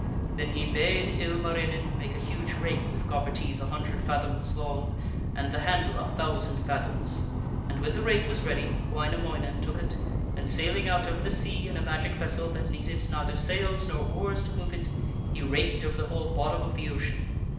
Then he bade Ilmarinen make a huge rake with copper teeth a hundred fathoms long and the handle a thousand fathoms, and when the rake was ready, Wainamoinen took it, and sailing out over the sea in a magic vessel that needed neither sails nor oars to move it, he raked over the whole bottom of the ocean.